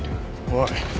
おい！